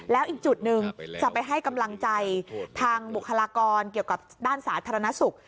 แล้วอีกจุดหนึ่งจะไปให้กำลังใจทางบุคลากรเกี่ยวกับด้านสาธารณสุข